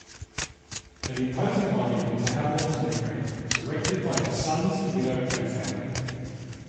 An imposing monument to Havelock's memory was erected by his sons, widow, and family.